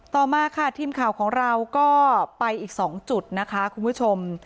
ต่อมาค่ะทีมข่าวของเราก็ไปอีก๒จุดนะคะคุณผู้ชม